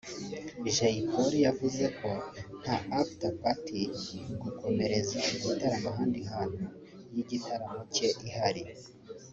Jay Polly yavuze ko nta After Party (gukomereza igitaramo ahandi hantu) y’igitaramo cye ihari